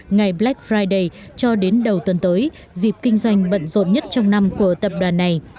ngày black friday cho đến đầu tuần tới dịp kinh doanh bận rộn nhất trong năm của tập đoàn này